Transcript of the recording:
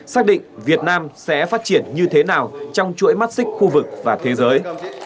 xác định việt nam sẽ phát triển như thế nào trong chuỗi mắt xích khu vực và thế giới